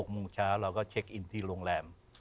โมงเช้าเราก็เช็คอินที่โรงแรม